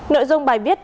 nội dung bài viết